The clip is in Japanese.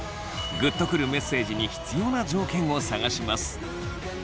グッとくるメッセージに必要な条件を探します。